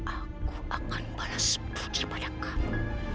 aku akan balas puji pada kamu